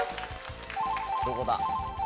どこだ？